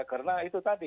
karena itu tadi